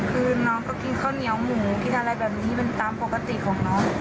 คือน้องก็กินข้าวเหนียวหมูกินอะไรแบบนี้เป็นตามปกติของน้อง